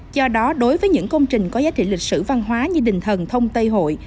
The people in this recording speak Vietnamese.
do đó đối với những công trình có giá trị lịch sử văn hóa như đình thần thông tây hội